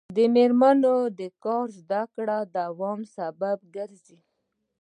د میرمنو کار د زدکړو دوام سبب ګرځي.